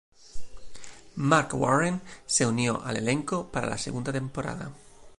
Marc Warren se unió al elenco para la segunda temporada.